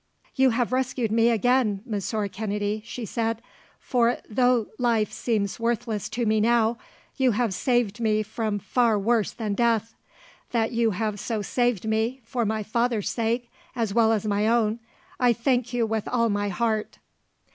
"You have rescued me again, Monsieur Kennedy," she said; "for, though life seems worthless to me now, you have saved me from far worse than death. That you have so saved me, for my father's sake as well as my own, I thank you with all my heart."